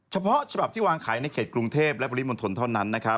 เฉพาะฉบับที่วางขายในเขตกรุงเทพและปริมณฑลเท่านั้น